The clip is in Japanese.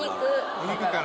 お肉から。